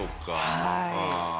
はい。